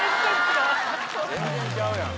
全然ちゃうやん。